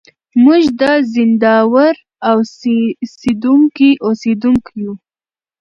موږ د زينداور اوسېدونکي يو.